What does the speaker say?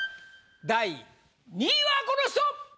第２位はこの人！